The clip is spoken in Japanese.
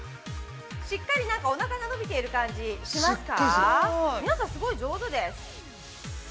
しっかりおなかが伸びている感じがしますか。